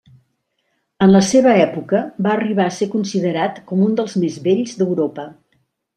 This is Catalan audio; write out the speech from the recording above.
En la seva època, va arribar a ser considerat com un dels més bells d'Europa.